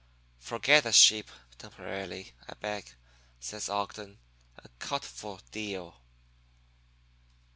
"'Forget the sheep temporarily, I beg,' says Ogden, 'and cut for deal.'